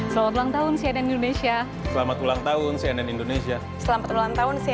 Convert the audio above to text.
selamat ulang tahun cnn indonesia